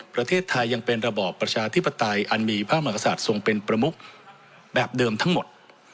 ประเทศไทยยังเป็นระบอบประชาธิปไตยอันมีพระมหากษัตริย์ทรงเป็นประมุกแบบเดิมทั้งหมด